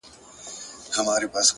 هره تېروتنه د پوهې یوه بیه ده.!